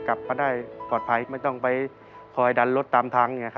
กลับมาได้ปลอดภัยไม่ต้องไปคอยดันรถตามทาง